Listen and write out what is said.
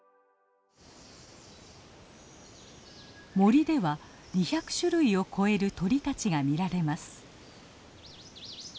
森では２００種類を超える鳥たちが見られます。